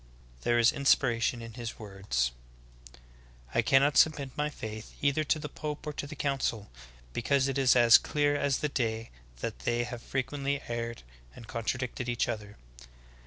There is inspiration in his words: 'T cannot submit my faith either to the pope or to the council, because it is as clear as the day that they have frequently erred and contra dicted each other.